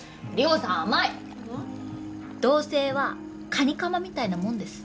同棲はカニカマみたいなもんです